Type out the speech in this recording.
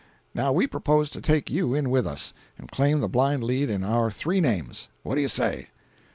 Now we propose to take you in with us, and claim the blind lead in our three names. What do you say?"